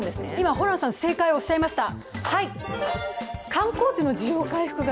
ホランさん、正解をおっしゃいました。